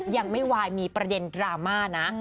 ยังไม่วายมีประเด็นดราม่านะ